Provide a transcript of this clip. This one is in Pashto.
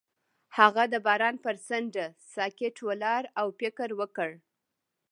هغه د باران پر څنډه ساکت ولاړ او فکر وکړ.